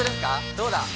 どうだ。